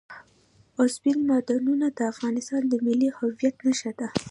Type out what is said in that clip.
اوبزین معدنونه د افغانستان د ملي هویت نښه ده.